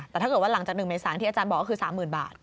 แต่ถ้าเกิดว่าหลังจาก๑เมษาที่อาจารย์บอกก็คือ๓๐๐๐บาท